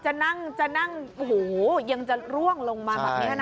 จะนั่งโอ้โหยังจะร่วงลงมาแบบนี้นะ